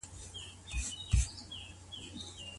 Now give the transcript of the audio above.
خاوند کله د ميرمني له بد اخلاقۍ څخه په تنګ کيږي؟